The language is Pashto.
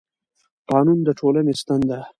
قانون د ټولنې ستن ده